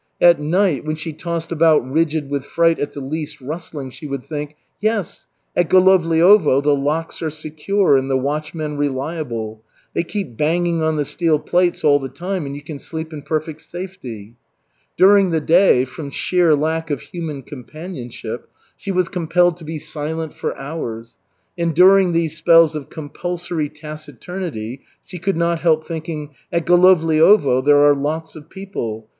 At night when she tossed about rigid with fright at the least rustling, she would think: "Yes, at Golovliovo the locks are secure and the watchmen reliable. They keep banging on the steel plates all the time, and you can sleep in perfect safety." During the day, from sheer lack of human companionship, she was compelled to be silent for hours, and during these spells of compulsory taciturnity, she could not help thinking: "At Golovliovo there are lots of people.